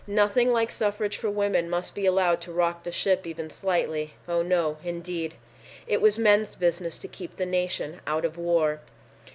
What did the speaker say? Nothing like suffrage for women must be allowed to rock the ship even slightly! Oh, no, indeed; it was men's business to keep the nation out of war.